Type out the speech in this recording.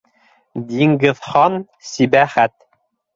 Диңгеҙхан- Сибәғәт!